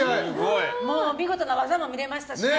見事な技も見れましたしね